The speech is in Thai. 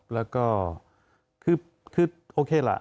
แล้วก็คือโอเคล่ะ